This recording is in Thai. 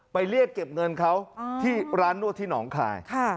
เรียกเก็บเงินเขาที่ร้านนวดที่หนองคาย